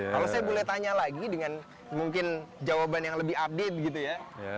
kalau saya boleh tanya lagi dengan mungkin jawaban yang lebih update gitu ya